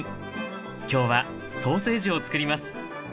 今日はソーセージをつくります。